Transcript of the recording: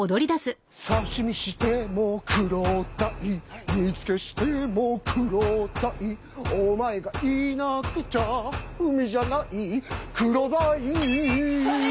刺身してもクロダイ煮つけしてもクロダイお前がいなくちゃ海じゃないクロダイそれ